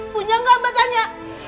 punya gak mbak tanya